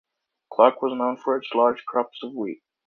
Clarke was known for its large crops of wheat.